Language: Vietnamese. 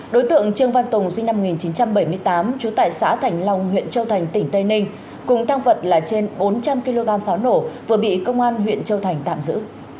đối tượng trương văn tùng sinh năm một nghìn chín trăm bảy mươi tám trú tại xã thành long huyện châu thành tỉnh tây ninh cùng tăng vật là trên bốn trăm linh kg pháo nổ vừa bị công an huyện châu thành tạm giữ